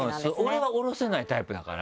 俺はおろせないタイプだから。